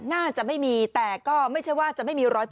น่าจะไม่มีแต่ก็ไม่ใช่ว่าจะไม่มี๑๐๐